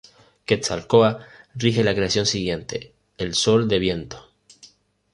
Quetzalcóatl rige la creación siguiente, el sol de viento.